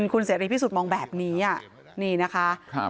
คุณเสรีพี่สุดมองแบบนี้นี่นะคะ